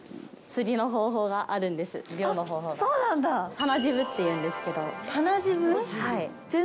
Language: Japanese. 棚ジブっていうんですけど。